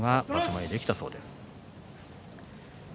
前、できたそうです。